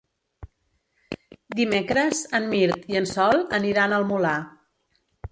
Dimecres en Mirt i en Sol aniran al Molar.